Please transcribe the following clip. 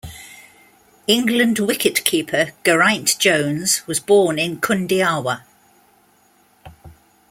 England wicketkeeper Geraint Jones was born in Kundiawa.